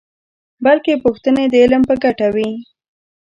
بلکې پوښتنې د علم په ګټه وي.